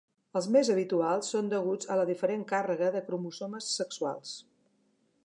Els més habituals són deguts a la diferent càrrega de cromosomes sexuals.